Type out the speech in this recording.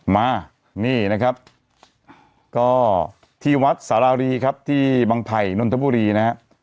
มานี่นะครับก็ที่วัดสารรีครับที่บังไผ่นนทบุรีนะฮะ